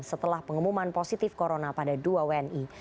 setelah pengumuman positif corona pada dua wni